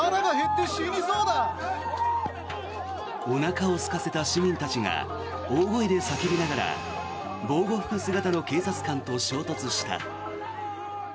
おなかをすかせた市民たちが大声で叫びながら防護服姿の警察官と衝突した。